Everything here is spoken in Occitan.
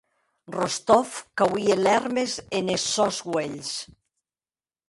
Rostov qu’auie lèrmes enes sòns uelhs.